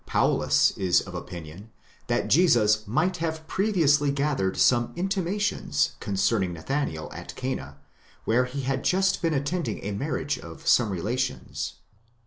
Paulus is of opinion that Jesus might have pre viously gathered some intimations concerning Nathanael at Cana, where he had just been attending a marriage of some relations.!?